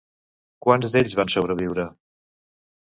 Quants d'ells van sobreviure?